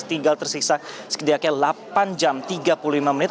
tinggal tersisa setidaknya delapan jam tiga puluh lima menit